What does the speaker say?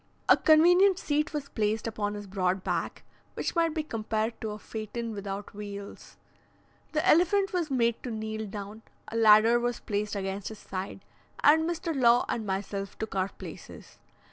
A convenient seat was placed upon his broad back, which might be compared to a phaeton without wheels. The elephant was made to kneel down, a ladder was placed against his side, and Mr. Law and myself took our places.